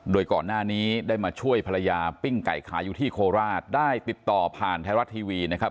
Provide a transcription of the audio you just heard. โดยก่อนหน้านี้ได้มาช่วยภรรยาปิ้งไก่ขายอยู่ที่โคราชได้ติดต่อผ่านไทยรัฐทีวีนะครับ